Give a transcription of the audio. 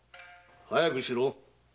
早くしろ。